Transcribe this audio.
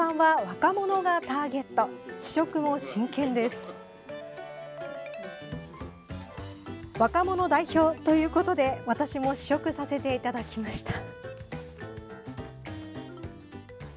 若者代表ということで私も試食させていただきました。